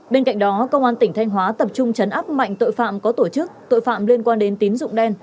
bên cạnh đó công an tỉnh thanh hóa tập trung chấn áp mạnh tội phạm có tổ chức tội phạm liên quan đến tín dụng đen